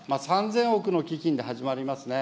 ３０００億の基金で始まりますね。